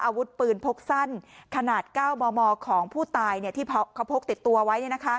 อาวุธปืนพกสั้นขนาด๙มมของผู้ตายที่เขาพกติดตัวไว้